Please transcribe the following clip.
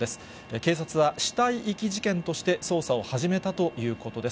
警察は、死体遺棄事件として捜査を始めたということです。